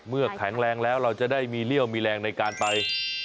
แข็งแรงแล้วเราจะได้มีเลี่ยวมีแรงในการไป